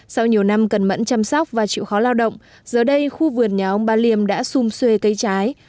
sau nhiều năm cẩn mẫn chăm sóc và chịu khó lao động giờ đây khu vườn nhà ông ba liêm đã xung xuê cây trái